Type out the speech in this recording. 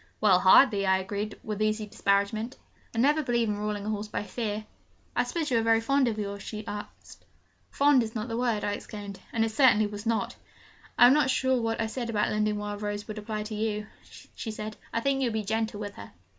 'Well hardly,' I agreed, with easy disparagement. 'I never believe in ruling a horse by fear.' 'I suppose you are very fond of yours?' she said. 'Fond is not the word!' I exclaimed and it certainly was not. 'I am not sure that what I said about lending Wild Rose would apply to you,' she said. 'I think you would be gentle with her.'